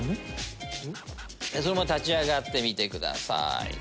そのまま立ち上がってください。